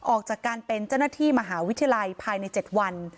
ออกจากการเป็นเจ้าหน้าที่มหาวิทยาลัยภายใน๗วัน